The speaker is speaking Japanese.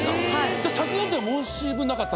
じゃあ着眼点は申し分なかったと。